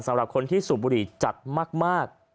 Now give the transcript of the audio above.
สำหรับคนที่สูบบุหรี่จัดมาก